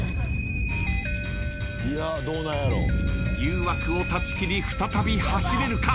誘惑を断ち切り再び走れるか？